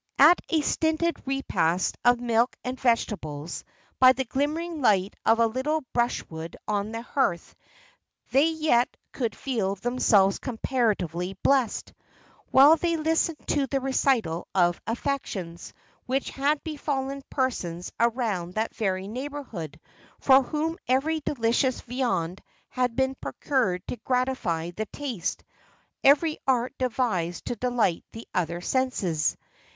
At a stinted repast of milk and vegetables, by the glimmering light of a little brushwood on the hearth, they yet could feel themselves comparatively blest, while they listened to the recital of afflictions which had befallen persons around that very neighbourhood, for whom every delicious viand had been procured to gratify the taste, every art devised to delight the other senses.